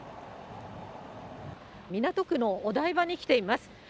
港区のお台場に来ています。